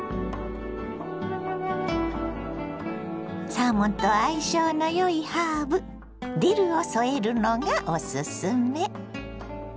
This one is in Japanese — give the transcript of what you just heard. サーモンと相性のよいハーブディルを添えるのがおすすめ。